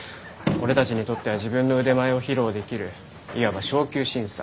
俺たちにとっては自分の腕前を披露できるいわば昇級審査。